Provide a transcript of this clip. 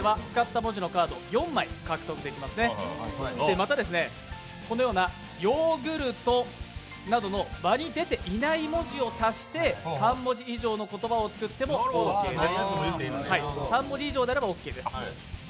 また、ヨーグルトなどの場に出ていない文字を足して３文字以上の言葉を作ってもオーケーです。